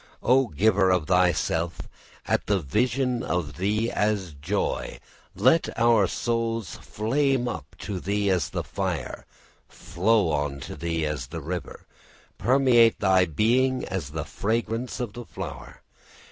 O giver of thyself! at the vision of thee as joy let our souls flame up to thee as the fire, flow on to thee as the river, permeate thy being as the fragrance of the flower.